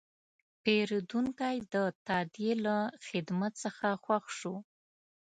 پیرودونکی د تادیې له خدمت څخه خوښ شو.